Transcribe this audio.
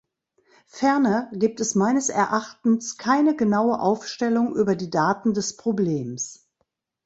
Ferner gibt es meines Erachtens keine genaue Aufstellung über die Daten des Problems.